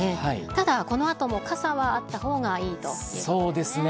ただ、このあとも傘はあったほうがいいということですね。